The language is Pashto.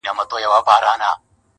ه ياره د څراغ د مــړه كولو پــه نـيت